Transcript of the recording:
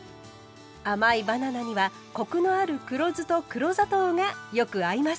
甘いバナナにはコクのある黒酢と黒砂糖がよく合います。